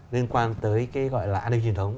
liên quan tới cái gọi là an ninh truyền thống